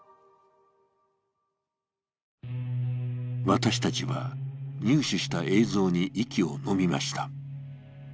私たちは入手した映像に息をのみました。